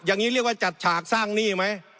อย่างนี้เรียกว่าจัดฉากสร้างหนี้ไหม